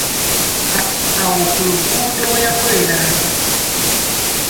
Awo ku luguudo we yakoleranga.